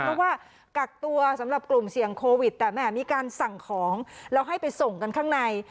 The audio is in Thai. เพราะว่ากักตัวสำหรับกลุ่มเสี่ยงโควิดแต่แหมมีการสั่งของแล้วให้ไปส่งกันข้างใน